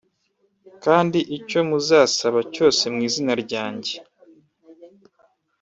Kandi icyo muzasaba cyose mu izina ryanjye